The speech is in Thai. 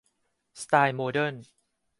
สไตล์โมเดิร์น